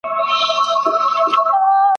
زما یې د شبقدر په ماښام قلم وهلی !.